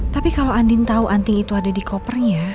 tapi kalo andin tau anting itu ada di kopernya